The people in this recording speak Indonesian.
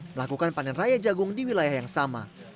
melakukan panen raya jagung di wilayah yang sama